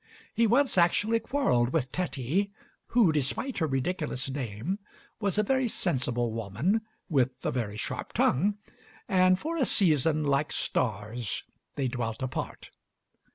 He once actually quarreled with Tetty, who, despite her ridiculous name, was a very sensible woman with a very sharp tongue, and for a season, like stars, they dwelt apart.